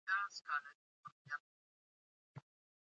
وږم یم ، سنبل یمه لولی مې کنه